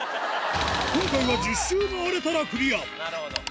今回は１０周回れたらクリア。